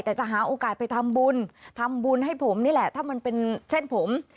แต่จะหาโอกาสไปทำบุญทำบุญให้ผมนี่แหละถ้ามันเป็นเส้นผม